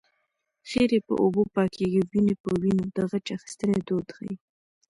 خیرې په اوبو پاکېږي او وينې په وينو د غچ اخیستنې دود ښيي